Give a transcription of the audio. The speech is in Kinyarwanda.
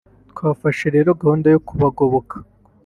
twafashe rero gahunda yo kubagoboka